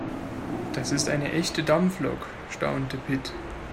Das ist eine echte Dampflok, staunte Pit.